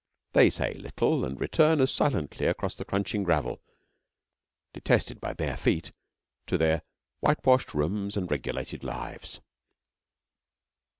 They say little and return as silently across the crunching gravel, detested by bare feet, to their whitewashed rooms and regulated lives.